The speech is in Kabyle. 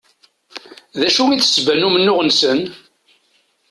D acu i d ssebba n umennuɣ-nsen?